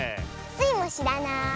スイもしらない。